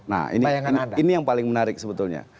nah ini yang paling menarik sebetulnya